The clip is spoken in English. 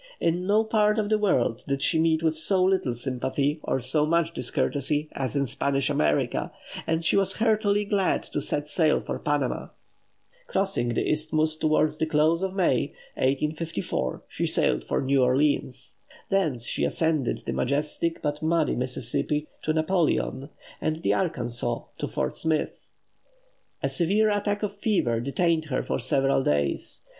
In no part of the world did she meet with so little sympathy or so much discourtesy as in Spanish America, and she was heartily glad to set sail for Panama. Crossing the Isthmus towards the close of May, 1854, she sailed for New Orleans. Thence she ascended the majestic but muddy Mississippi to Napoleon, and the Arkansas to Fort Smith. A severe attack of fever detained her for several days.